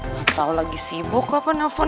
gak tau lagi sibuk apa nelfon